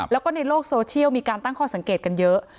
แล้วก็ในโลกโซเชียลมีการตั้งข้อสังเกตกันเยอะ